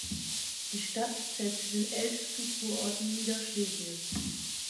Die Stadt zählt zu den ältesten Kurorten Niederschlesiens.